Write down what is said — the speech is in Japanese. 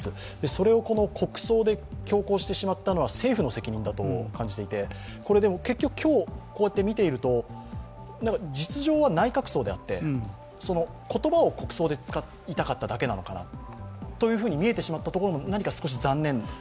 それを国葬で強制してしまったのは政府の責任だと感じていて、これで結局、今日こうやって見ていると、実情は内閣葬であって、その言葉を国葬で使いたかっただけなのかなとというふうに見えてしまったところも少し残念でした。